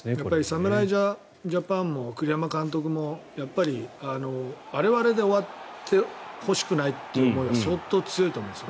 侍ジャパンも栗山監督もあれはあれで終わってほしくなっていう思いが相当強いと思うんです。